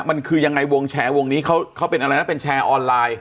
มันคือยังไงวงแชร์วงนี้เขาเป็นอะไรนะเป็นแชร์ออนไลน์